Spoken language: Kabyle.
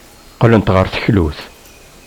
Qqlent ɣer teklut.